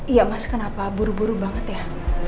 iya mas kenapa buru buru banget ya